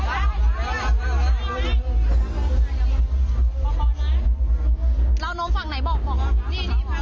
ราวนมฝั่งไหนบอกบอกเปล่าเปล่าเปล่าเปล่า